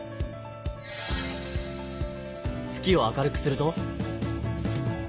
月を明るくすると。